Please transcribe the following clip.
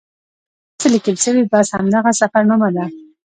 چې هر څه لیکل سوي بس همدغه سفرنامه ده.